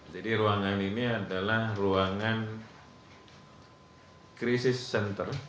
jadi ruangan ini adalah ruangan krisis center